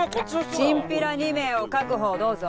チンピラ２名を確保どうぞ。